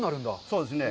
そうですね。